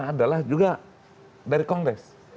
adalah juga dari kongres